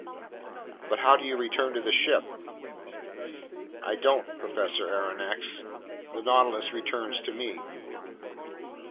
"But how do you return to the ship?" "I don't, Professor Aronnax; the Nautilus returns to me."